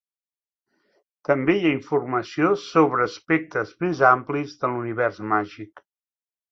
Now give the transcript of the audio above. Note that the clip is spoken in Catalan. També hi ha informació sobre aspectes més amplis de l'univers màgic.